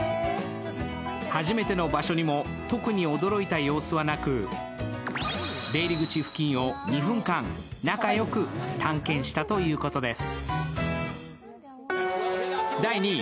初めての場所にも特に驚いた様子はなく出入り口付近を２分間仲良く探検したということです。